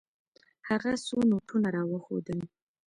هغه څو نوټونه راوښودل.